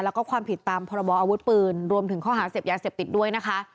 แล้วก็ความผิดตามพรบออาวุธปืนรวมถึงข้อหาเสพยาเสพติดด้วยนะคะ